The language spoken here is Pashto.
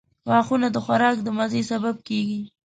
• غاښونه د خوراک د مزې سبب کیږي.